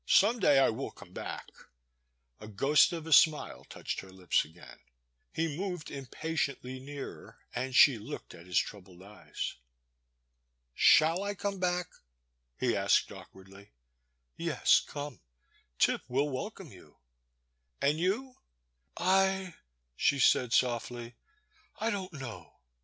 Some day I will come back '* A ghost of a smile touched her lips again. He moved impatiently nearer, and she looked at his troubled eyes. Shall I come back ?he asked awkwardly. Yes — come ; Tip will welcome you And you? '* I,*'— she said sofUy— I don*t know.